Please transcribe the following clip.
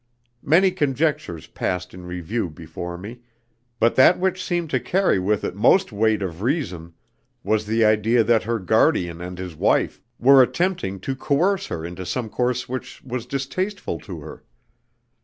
Many conjectures passed in review before me, but that which seemed to carry with it most weight of reason was the idea that her guardian and his wife were attempting to coerce her into some course which was distasteful to her.